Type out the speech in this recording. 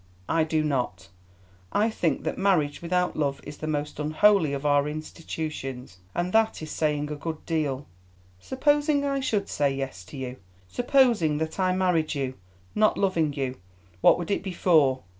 "I do not. I think that marriage without love is the most unholy of our institutions, and that is saying a good deal. Supposing I should say yes to you, supposing that I married you, not loving you, what would it be for?